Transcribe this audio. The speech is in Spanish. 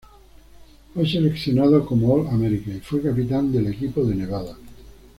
Fue seleccionado como All-America, y fue capitán del equipo de Nevada.